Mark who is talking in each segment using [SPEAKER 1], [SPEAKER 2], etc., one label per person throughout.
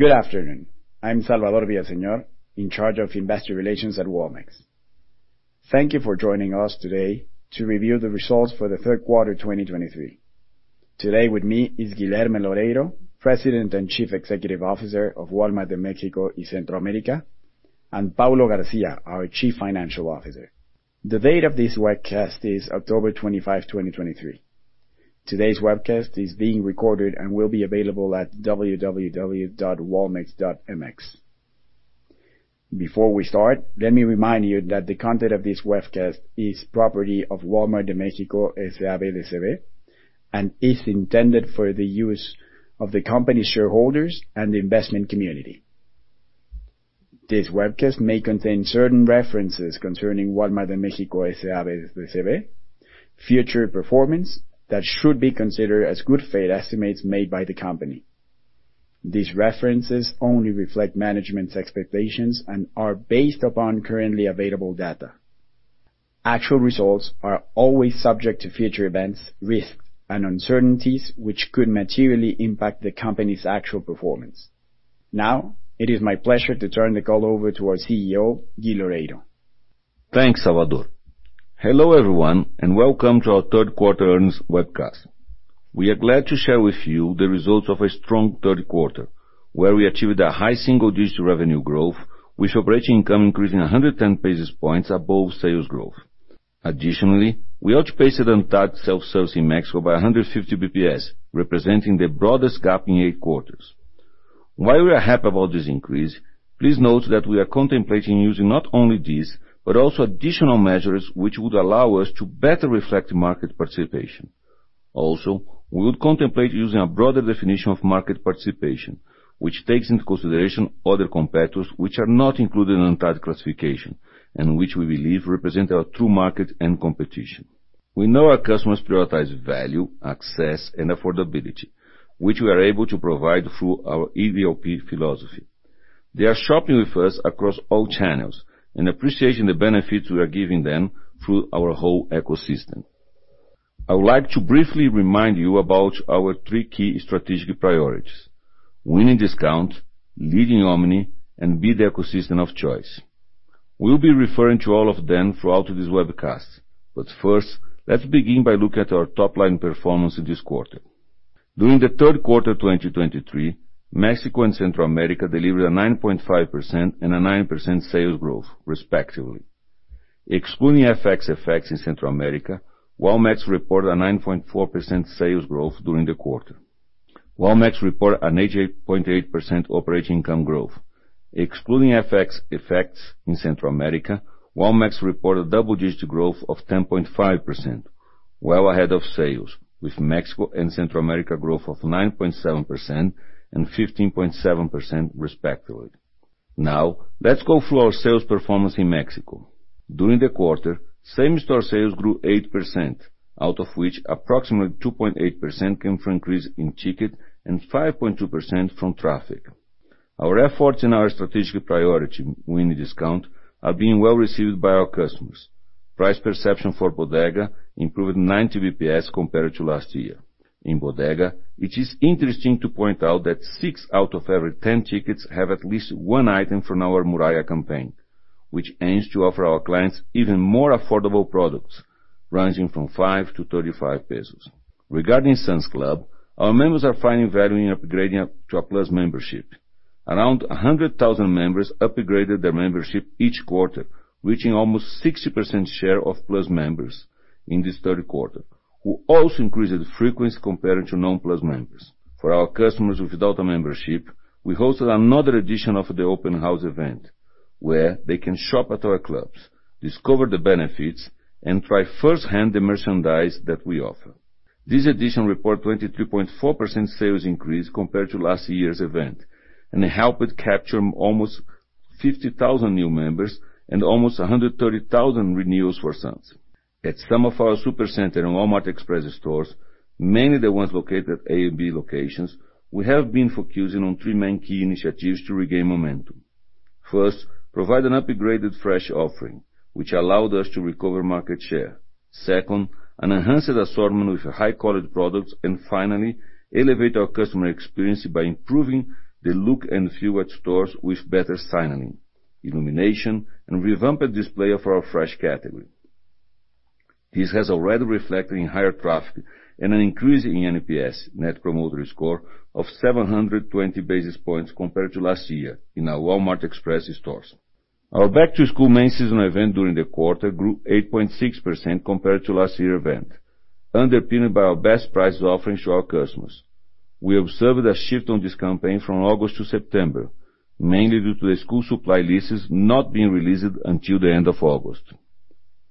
[SPEAKER 1] Good afternoon. I'm Salvador Villaseñor, in charge of investor relations at Walmex. Thank you for joining us today to review the results for the Q3 2023. Today with me is Guilherme Loureiro, President and Chief Executive Officer of Walmart de México y Centroamérica, and Paulo Garcia, our Chief Financial Officer. The date of this webcast is October 25, 2023. Today's webcast is being recorded and will be available at www.walmex.mx. Before we start, let me remind you that the content of this webcast is property of Walmart de México S.A.B. de C.V., and is intended for the use of the company's shareholders and the investment community. This webcast may contain certain references concerning Walmart de México S.A.B. de C.V., future performance that should be considered as good faith estimates made by the company. These references only reflect management's expectations and are based upon currently available data. Actual results are always subject to future events, risks, and uncertainties, which could materially impact the company's actual performance. Now, it is my pleasure to turn the call over to our Chief Executive Officer, Guilherme Loureiro.
[SPEAKER 2] Thanks, Salvador. Hello, everyone, and welcome to our Q3 earnings webcast. We are glad to share with you the results of a strong Q3, where we achieved a high single-digit revenue growth, with operating income increasing 110 basis points above sales growth. Additionally, we outpaced ANTAD self-service in Mexico by 150 basis points, representing the broadest gap in eight quarters. While we are happy about this increase, please note that we are contemplating using not only this, but also additional measures which would allow us to better reflect market participation. Also, we would contemplate using a broader definition of market participation, which takes into consideration other competitors, which are not included in the tied classification, and which we believe represent our true market and competition. We know our customers prioritize value, access, and affordability, which we are able to provide through our EVOP philosophy. They are shopping with us across all channels and appreciating the benefits we are giving them through our whole ecosystem. I would like to briefly remind you about our three key strategic priorities: winning discount, leading omni, and be the ecosystem of choice. We'll be referring to all of them throughout this webcast. But first, let's begin by looking at our top-line performance this quarter. During the Q3,2023, Mexico and Central America delivered a 9.5% and 9% sales growth, respectively. Excluding FX effects in Central America, Walmex reported a 9.4% sales growth during the quarter. Walmex reported an 88.8% operating income growth. Excluding FX effects in Central America, Walmex reported double-digit growth of 10.5%, well ahead of sales, with Mexico and Central America growth of 9.7% and 15.7%, respectively. Now, let's go through our sales performance in Mexico. During the quarter, same-store sales grew 8%, out of which approximately 2.8% came from increase in ticket and 5.2% from traffic. Our efforts and our strategic priority, winning discount, are being well received by our customers. Price perception for Bodega improved 90 basis points compared to last year. In Bodega, it is interesting to point out that 6 out of every 10 tickets have at least one item from our Morralla campaign, which aims to offer our clients even more affordable products, ranging from 5-35 pesos. Regarding Sam's Club, our members are finding value in upgrading up to a Plus membership. Around 100,000 members upgraded their membership each quarter, reaching almost 60% share of Plus members in this Q3, who also increased the frequency compared to non-Plus members. For our customers without a membership, we hosted another edition of the open house event, where they can shop at our clubs, discover the benefits, and try firsthand the merchandise that we offer. This edition reported 22.4% sales increase compared to last year's event, and helped capture almost 50,000 new members and almost 130,000 renewals for Sam's. At some of our Supercenter and Walmart Express stores, mainly the ones located at A and B locations, we have been focusing on three main key initiatives to regain momentum. First, provide an upgraded, fresh offering, which allowed us to recover market share. Second, an enhanced assortment with high-quality products, and finally, elevate our customer experience by improving the look and feel at stores with better signaling, illumination, and revamped display of our fresh category. This has already reflected in higher traffic and an increase in NPS, Net Promoter Score, of 720 basis points compared to last year in our Walmart Express stores. Our back-to-school main season event during the quarter grew 8.6% compared to last year event, underpinned by our best price offerings to our customers. We observed a shift on this campaign from August to September, mainly due to the school supply leases not being released until the end of August.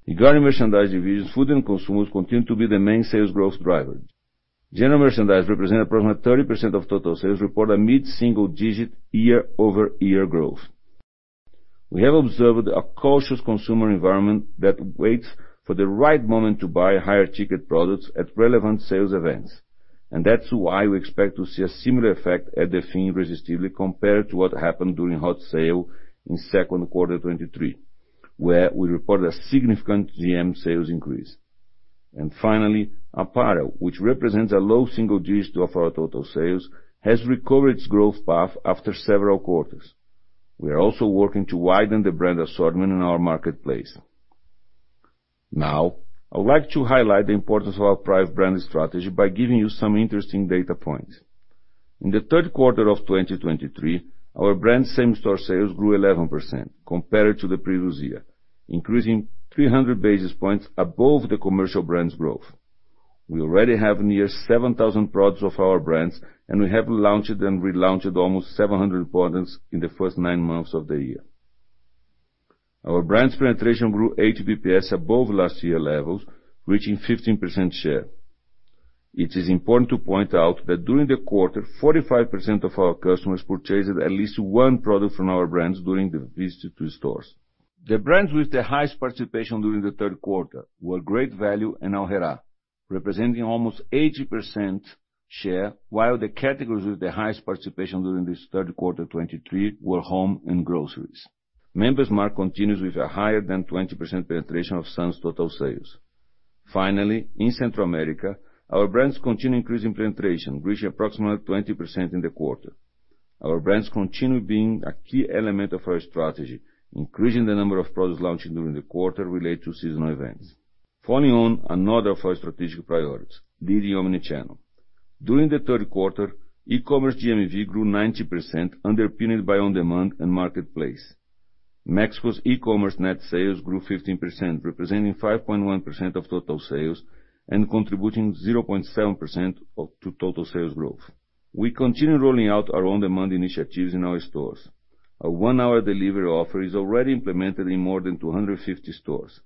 [SPEAKER 2] Regarding merchandise divisions, food and consumables continue to be the main sales growth driver. General merchandise represent approximately 30% of total sales, report a mid-single-digit year-over-year growth. We have observed a cautious consumer environment that waits for the right moment to buy higher-ticket products at relevant sales events, and that's why we expect to see a similar effect at the scene irresistibly compared to what happened during Hot Sale in Q2 2023, where we reported a significant GM sales increase. And finally, apparel, which represents a low single digits of our total sales, has recovered its growth path after several quarters. We are also working to widen the brand assortment in our marketplace. Now, I would like to highlight the importance of our private brand strategy by giving you some interesting data points. In the Q3 of 2023, our brand same-store sales grew 11% compared to the previous year, increasing 300 basis points above the commercial brand's growth. We already have nearly 7,000 products of our brands, and we have launched and relaunched nearly 700 products in the first 9 months of the year. Our brand's penetration grew 80 basis points above last year levels, reaching 15% share. It is important to point out that during the quarter, 45% of our customers purchased at least one product from our brands during the visit to stores. The brands with the highest participation during the Q3 were Great Value and Aurrera, representing nearly 80% share, while the categories with the highest participation during this Q3 2023 were home and groceries. Member's Mark continues with a higher than 20% penetration of Sam's total sales. Finally, in Central America, our brands continue increasing penetration, reaching approximately 20% in the quarter. Our brands continue being a key element of our strategy, increasing the number of products launched during the quarter related to seasonal events. Falling on another of our strategic priorities, leading omnichannel. During the Q3, e-commerce GMV grew 19%, underpinned by on-demand and marketplace. Mexico's e-commerce net sales grew 15%, representing 5.1% of total sales and contributing 0.7% to total sales growth. We continue rolling out our on-demand initiatives in our stores. Our one-hour delivery offer is already implemented in more than 250 stores.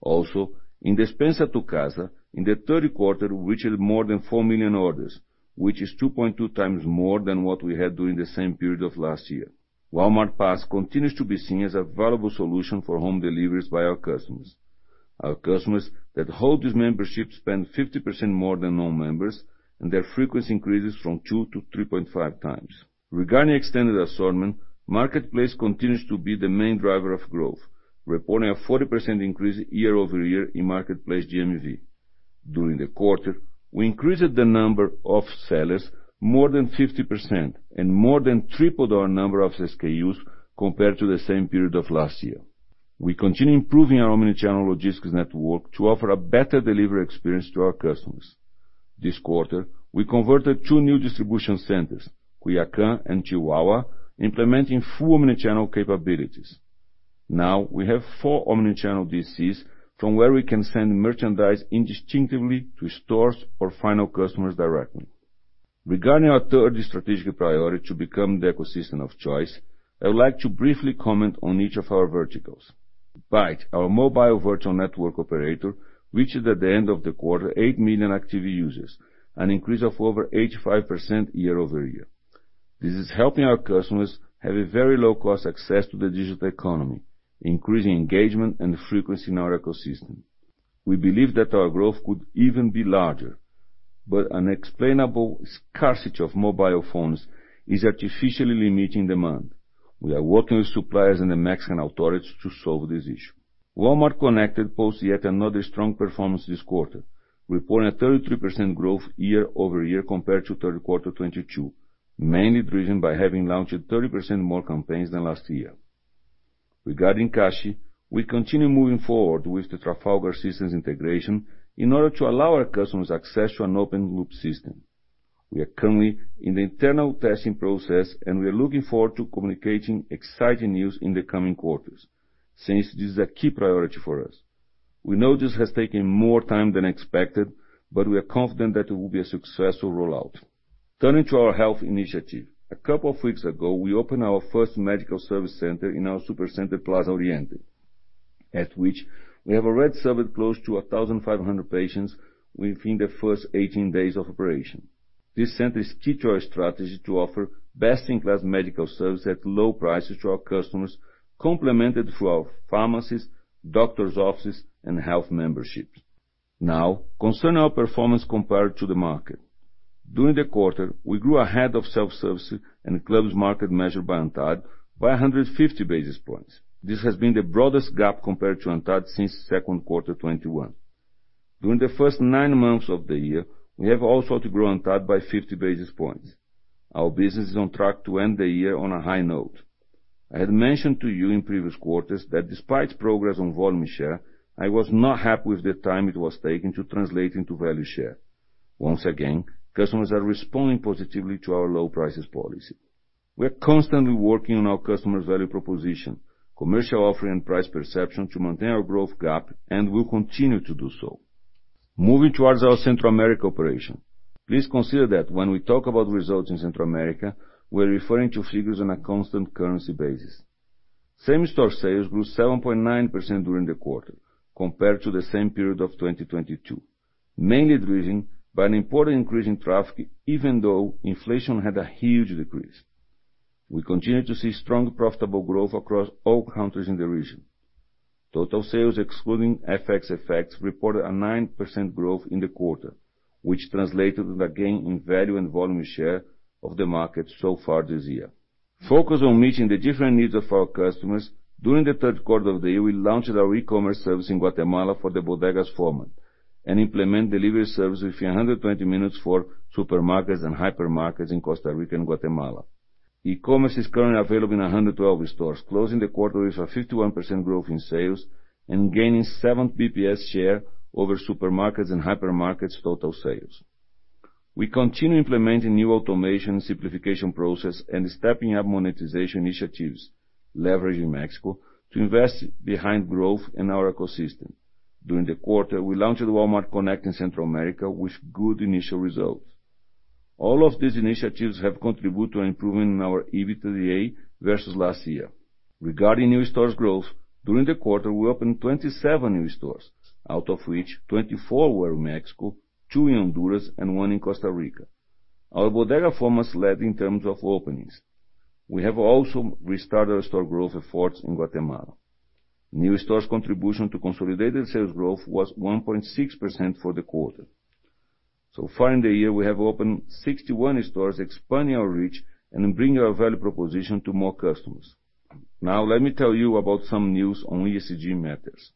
[SPEAKER 2] Also, in Despensa a Tu Casa, in the Q3, we reached more than 4 million orders, which is 2.2x more than what we had during the same period of last year. Walmart Pass continues to be seen as a valuable solution for home deliveries by our customers. Our customers that hold this membership spend 50% more than non-members, and their frequency increases from 2x to 3.5x. Regarding extended assortment, marketplace continues to be the main driver of growth, reporting a 40% increase year-over-year in marketplace GMV. During the quarter, we increased the number of sellers more than 50% and more than tripled our number of SKUs compared to the same period of last year. We continue improving our omnichannel logistics network to offer a better delivery experience to our customers. This quarter, we converted two new distribution centers, Culiacán and Chihuahua, implementing full omnichannel capabilities. Now, we have four omnichannel DCs, from where we can send merchandise indistinctively to stores or final customers directly. Regarding our third strategic priority to become the ecosystem of choice, I would like to briefly comment on each of our verticals. Bité, our mobile virtual network operator, reached at the end of the quarter, 8 million active users, an increase of over 85% year-over-year. This is helping our customers have a very low-cost access to the digital economy, increasing engagement and frequency in our ecosystem. We believe that our growth could even be larger, but an explainable scarcity of mobile phones is artificially limiting demand. We are working with suppliers and the Mexican authorities to solve this issue. Walmart Connect posts yet another strong performance this quarter, reporting a 33% growth year-over-year compared to Q3 2022, mainly driven by having launched 30% more campaigns than last year. Regarding Cashi, we continue moving forward with the Trafalgar Systems integration in order to allow our customers access to an open loop system. We are currently in the internal testing process, and we are looking forward to communicating exciting news in the coming quarters, since this is a key priority for us. We know this has taken more time than expected, but we are confident that it will be a successful rollout. Turning to our health initiative. A couple of weeks ago, we opened our first medical service center in our Supercenter, Plaza Oriente, at which we have already served close to 1,500 patients within the first 18 days of operation. This center is key to our strategy to offer best-in-class medical services at low prices to our customers, complemented through our pharmacies, doctor's offices, and health memberships. Now, concerning our performance compared to the market. During the quarter, we grew ahead of self-service and clubs market measured by ANTAD by 150 basis points. This has been the broadest gap compared to ANTAD since Q2 2021. During the first nine months of the year, we have also outgrown ANTAD by 50 basis points. Our business is on track to end the year on a high note. I had mentioned to you in previous quarters that despite progress on volume share, I was not happy with the time it was taking to translate into value share. Once again, customers are responding positively to our low prices policy. We are constantly working on our customer's value proposition, commercial offering, and price perception to maintain our growth gap, and we'll continue to do so. Moving towards our Central America operation. Please consider that when we talk about results in Central America, we're referring to figures on a constant currency basis. Same store sales grew 7.9% during the quarter compared to the same period of 2022, mainly driven by an important increase in traffic, even though inflation had a huge decrease. We continue to see strong, profitable growth across all countries in the region. Total sales, excluding FX effects, reported a 9% growth in the quarter, which translated to the gain in value and volume share of the market so far this year. Focused on meeting the different needs of our customers, during the Q3 of the year, we launched our e-commerce service in Guatemala for the Bodegas format, and implement delivery service within 120 minutes for supermarkets and hypermarkets in Costa Rica and Guatemala. e-commerce is currently available in 112 stores, closing the quarter with 51% growth in sales, and gaining 7 basis points share over supermarkets and hypermarkets' total sales. We continue implementing new automation, simplification process, and stepping up monetization initiatives, leveraging Mexico to invest behind growth in our ecosystem. During the quarter, we launched Walmart Connect in Central America with good initial results. All of these initiatives have contributed to improving our EBITDA versus last year. Regarding new stores growth, during the quarter, we opened 27 new stores, out of which 24 were in Mexico, two in Honduras, and one in Costa Rica. Our Bodega format led in terms of openings. We have also restarted our store growth efforts in Guatemala. New stores' contribution to consolidated sales growth was 1.6% for the quarter. So far in the year, we have opened 61 stores, expanding our reach and bringing our value proposition to more customers. Now, let me tell you about some news on ESG matters.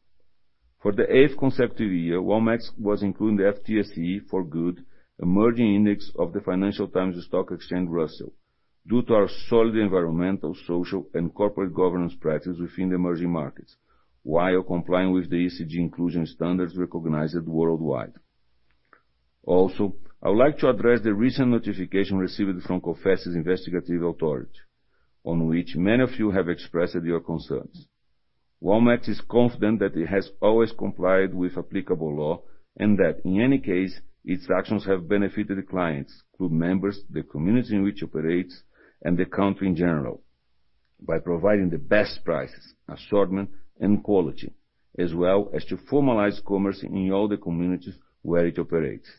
[SPEAKER 2] For the eighth consecutive year, Walmex was included in the FTSE4Good Emerging Index of FTSE Russell, due to our solid environmental, social, and corporate governance practices within the emerging markets, while complying with the ESG inclusion standards recognized worldwide. Also, I would like to address the recent notification received from COFECE's investigative authority, on which many of you have expressed your concerns. Walmex is confident that it has always complied with applicable law, and that, in any case, its actions have benefited the clients, group members, the community in which it operates, and the country in general, by providing the best prices, assortment, and quality, as well as to formalize commerce in all the communities where it operates.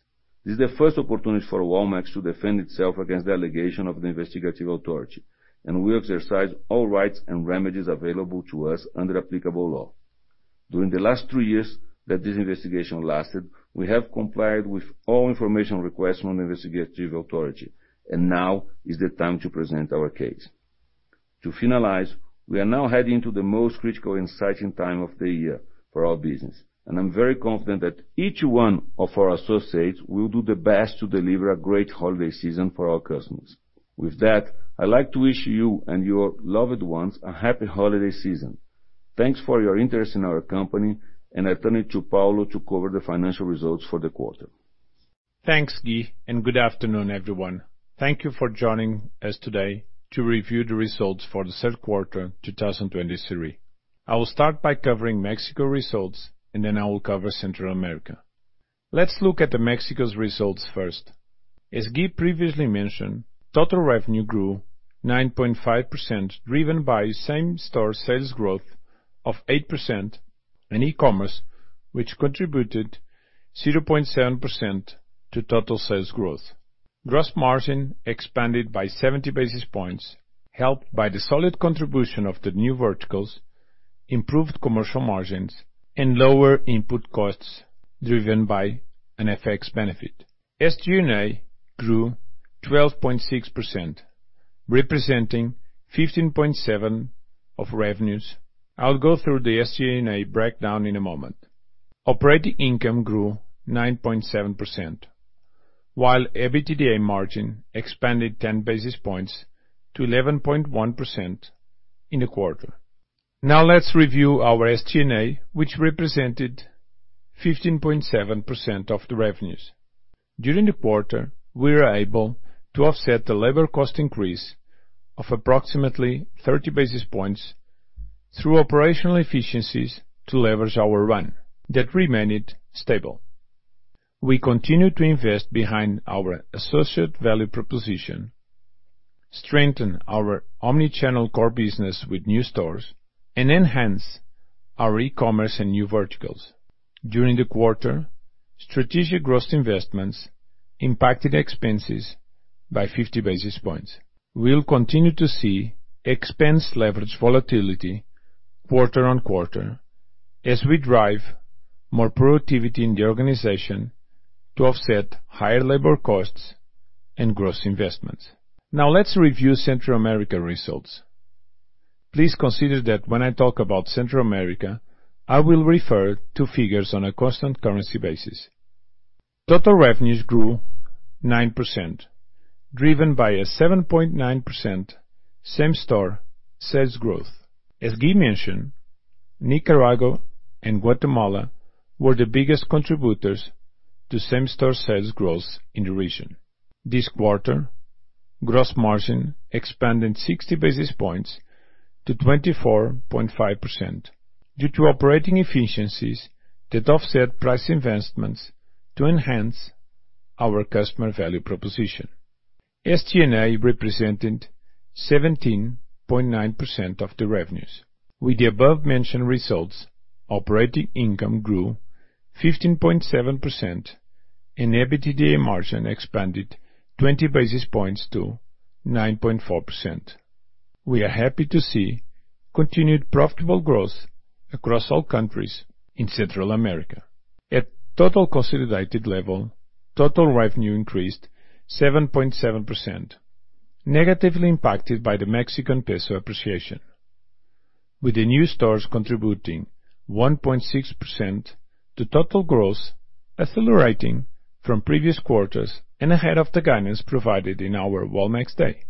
[SPEAKER 2] This is the first opportunity for Walmex to defend itself against the allegation of the investigative authority, and we exercise all rights and remedies available to us under applicable law. During the last two years that this investigation lasted, we have complied with all information requests from the investigative authority, and now is the time to present our case. To finalize, we are now heading to the most critical and exciting time of the year for our business, and I'm very confident that each one of our associates will do their best to deliver a great holiday season for our customers. With that, I'd like to wish you and your loved ones a happy holiday season. Thanks for your interest in our company, and I turn it to Paulo to cover the financial results for the quarter.
[SPEAKER 3] Thanks, Gui, and good afternoon, everyone. Thank you for joining us today to review the results for the Q3 2023. I will start by covering Mexico results, and then I will cover Central America. Let's look at Mexico's results first. As Gui previously mentioned, total revenue grew 9.5%, driven by same-store sales growth of 8%, and e-commerce, which contributed 0.7% to total sales growth. Gross margin expanded by 70 basis points, helped by the solid contribution of the new verticals, improved commercial margins, and lower input costs, driven by an FX benefit. SG&A grew 12.6%, representing 15.7% of revenues. I'll go through the SG&A breakdown in a moment. Operating income grew 9.7%, while EBITDA margin expanded 10 basis points to 11.1% in the quarter. Now, let's review our SG&A, which represented 15.7% of the revenues. During the quarter, we were able to offset the labor cost increase of approximately 30 basis points through operational efficiencies to leverage our run, that remained stable. We continue to invest behind our associate value proposition, strengthen our omnichannel core business with new stores, and enhance our e-commerce and new verticals. During the quarter, strategic growth investments impacted expenses by 50 basis points. We'll continue to see expense leverage volatility quarter-on-quarter, as we drive more productivity in the organization to offset higher labor costs and growth investments. Now, let's review Central America results. Please consider that when I talk about Central America, I will refer to figures on a constant currency basis. Total revenues grew 9%, driven by a 7.9% same-store sales growth. As Gui mentioned, Nicaragua and Guatemala were the biggest contributors to same-store sales growth in the region. This quarter, gross margin expanded 60 basis points to 24.5%, due to operating efficiencies that offset price investments to enhance our customer value proposition. SG&A represented 17.9% of the revenues. With the above mentioned results, operating income grew 15.7%, and EBITDA margin expanded 20 basis points to 9.4%. We are happy to see continued profitable growth across all countries in Central America. At total consolidated level, total revenue increased 7.7%, negatively impacted by the Mexican peso appreciation, with the new stores contributing 1.6% to total growth, accelerating from previous quarters and ahead of the guidance provided in our Walmex Day.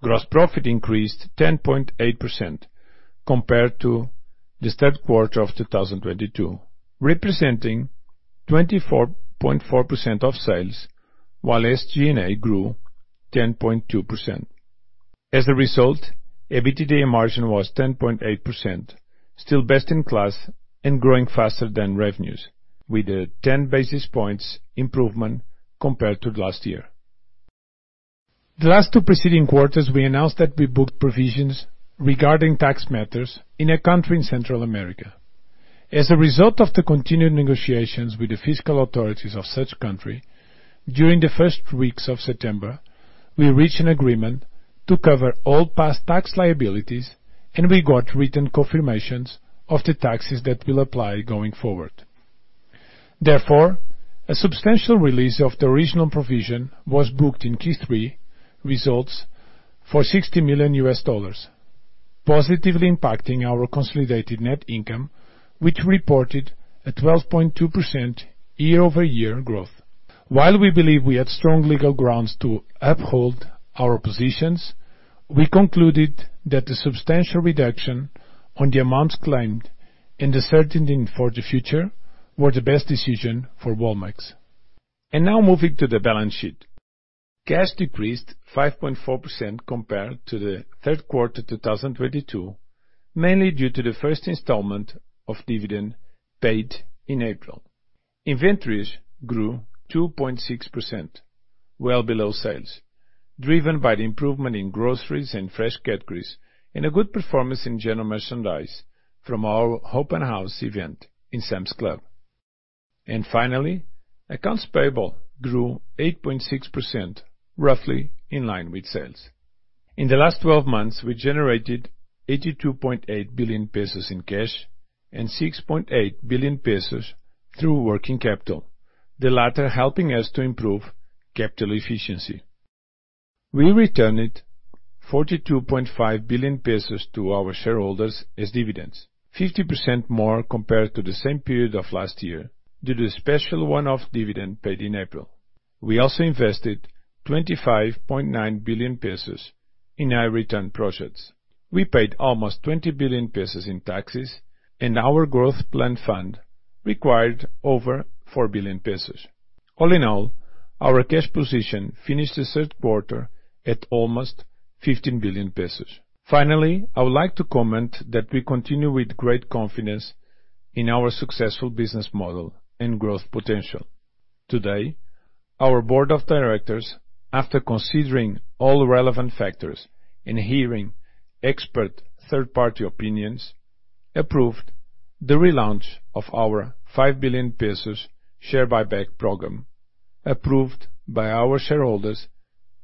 [SPEAKER 3] Gross profit increased 10.8% compared to the Q3 of 2022, representing 24.4% of sales, while SG&A grew 10.2%. As a result, EBITDA margin was 10.8%, still best in class and growing faster than revenues, with a 10 basis points improvement compared to last year. The last two preceding quarters, we announced that we booked provisions regarding tax matters in a country in Central America. As a result of the continued negotiations with the fiscal authorities of such country, during the first weeks of September, we reached an agreement to cover all past tax liabilities, and we got written confirmations of the taxes that will apply going forward. Therefore, a substantial release of the original provision was booked in Q3 results for $60 million, positively impacting our consolidated net income, which reported a 12.2% year-over-year growth. While we believe we had strong legal grounds to uphold our positions, we concluded that the substantial reduction on the amounts claimed and the certainty for the future were the best decision for Walmex. Now moving to the balance sheet. Cash decreased 5.4% compared to the Q3 2022, mainly due to the first installment of dividend paid in April. Inventories grew 2.6%, well below sales, driven by the improvement in groceries and fresh categories, and a good performance in general merchandise from our Open House event in Sam's Club. Finally, accounts payable grew 8.6%, roughly in line with sales. In the last twelve months, we generated 82.8 billion pesos in cash and 6.8 billion pesos through working capital, the latter helping us to improve capital efficiency. We returned 42.5 billion pesos to our shareholders as dividends, 50% more compared to the same period of last year, due to the special one-off dividend paid in April. We also invested 25.9 billion pesos in high-return projects. We paid almost 20 billion pesos in taxes, and our growth plan fund required over 4 billion pesos. All in all, our cash position finished the Q3 at almost 15 billion pesos. Finally, I would like to comment that we continue with great confidence in our successful business model and growth potential. Today, our board of directors, after considering all relevant factors and hearing expert third-party opinions, approved the relaunch of our 5 billion pesos share buyback program, approved by our shareholders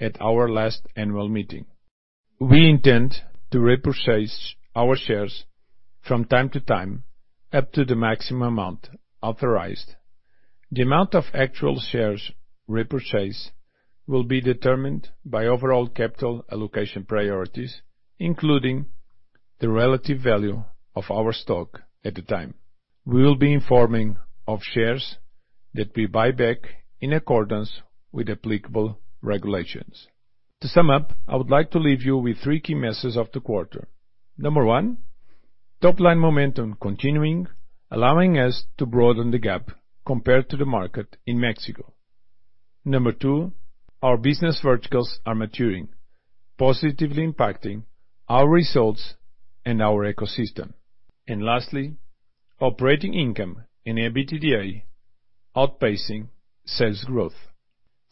[SPEAKER 3] at our last annual meeting. We intend to repurchase our shares from time to time, up to the maximum amount authorized. The amount of actual shares repurchased will be determined by overall capital allocation priorities, including the relative value of our stock at the time. We will be informing of shares that we buy back in accordance with applicable regulations. To sum up, I would like to leave you with three key messages of the quarter. Number one, top-line momentum continuing, allowing us to broaden the gap compared to the market in Mexico. Number two, our business verticals are maturing, positively impacting our results and our ecosystem. And lastly, operating income and EBITDA outpacing sales growth.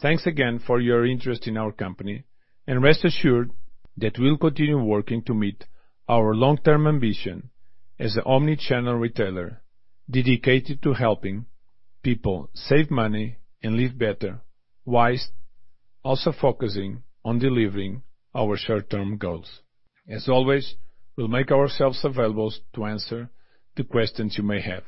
[SPEAKER 3] Thanks again for your interest in our company, and rest assured that we'll continue working to meet our long-term ambition as an omnichannel retailer, dedicated to helping people save money and live better, while also focusing on delivering our short-term goals. As always, we'll make ourselves available to answer the questions you may have.